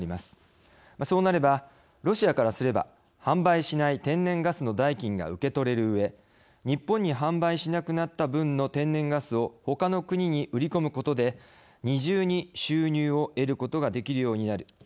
そうなればロシアからすれば販売しない天然ガスの代金が受け取れるうえ日本に販売しなくなった分の天然ガスをほかの国に売り込むことで二重に収入を得ることができるようになる。